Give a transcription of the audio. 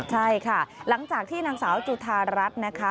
ใช่ค่ะหลังจากที่นางสาวจุธารัฐนะคะ